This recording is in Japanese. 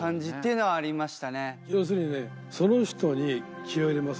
要するにねその人に気を入れますね。